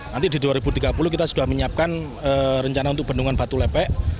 nanti di dua ribu tiga puluh kita sudah menyiapkan rencana untuk bendungan batu lepek